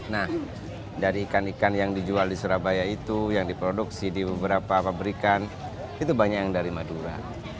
nah dari ikan ikan yang dijual di surabaya itu yang diproduksi di beberapa pabrikan itu banyak yang dari madura